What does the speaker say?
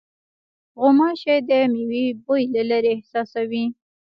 غوماشې د مېوې بوی له لېرې احساسوي.